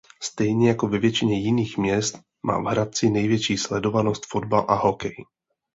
Stejně jako ve většině jiných měst má v Hradci největší sledovanost fotbal a hokej.